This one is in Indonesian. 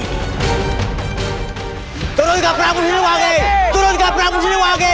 mereka akan membawa tanah tanah selimut men hollow